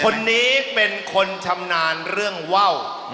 คนนี้เป็นคนชำนาญเรื่องว่าว